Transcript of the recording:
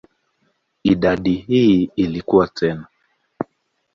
Idadi hii ilikua tena.